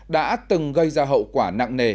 đã từng gây ra hậu quả nặng nề